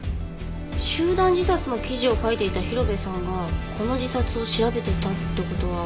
集団自殺の記事を書いていた広辺さんがこの自殺を調べていたって事は。